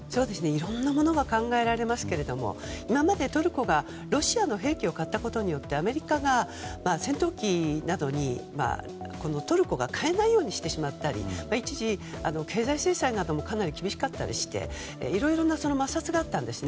いろんなものが考えられますけども今まで、トルコがロシアの兵器を買ったことによってアメリカが戦闘機などをトルコが買えないようにしてしまったり一時、経済制裁などもかなり厳しかったりしていろいろな摩擦があったんです。